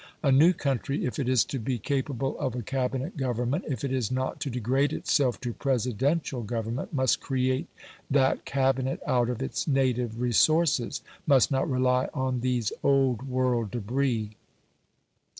A new country, if it is to be capable of a Cabinet government, if it is not to degrade itself to Presidential government, must create that Cabinet out of its native resources must not rely on these Old World debris.